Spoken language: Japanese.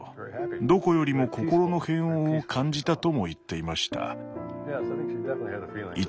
どこよりも心の平穏を感じたとも言っていました。